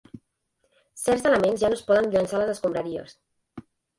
Certs elements ja no es poden llençar a les escombraries.